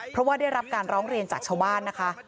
เพราะว่าได้รับการร้องเรียนจากชาวบ้านนะคะ